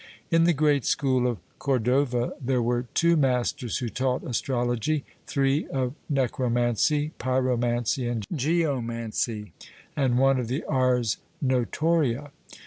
In the great school of Cordova there were two masters who taught astrology, three of necromancy, pyromancy and geomancy, and one of the ars notoria.